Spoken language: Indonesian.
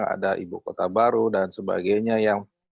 ada ibu kota baru dan sebagainya yang